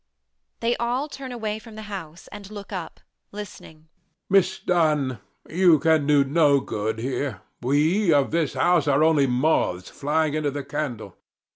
They all turn away from the house and look up, listening. HECTOR [gravely]. Miss Dunn, you can do no good here. We of this house are only moths flying into the candle.